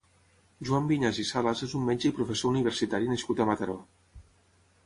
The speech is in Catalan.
Joan Viñas i Salas és un metge i professor universitari nascut a Mataró.